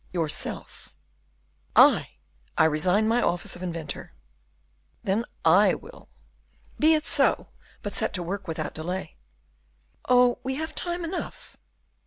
"Yourself." "I! I resign my office of inventor." "Then I will." "Be it so. But set to work without delay." "Oh! we have time enough!"